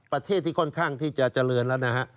ประเทศที่ค่อนข้างที่จะเจริญแล้วนะฮะ